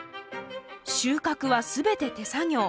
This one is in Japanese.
収穫は全て手作業。